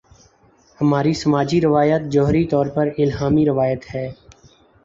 ہماری سماجی روایت جوہری طور پر الہامی روایت ہے۔